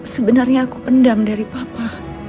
sebenarnya aku pendam dari papa